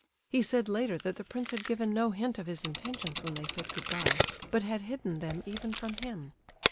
He said later that the prince had given no hint of his intentions when they said good bye, but had hidden them even from him.